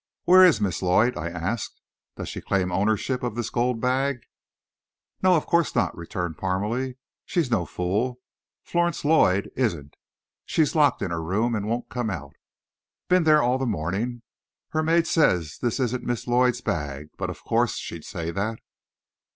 "Where is Miss Lloyd?" I asked. "Does she claim ownership of this gold bag?" "No; of course not," returned Parmalee. "She's no fool, Florence Lloyd isn't! She's locked in her room and won't come out. Been there all the morning. Her maid says this isn't Miss Lloyd's bag, but of course she'd say that."